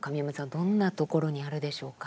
どんなところにあるでしょうか？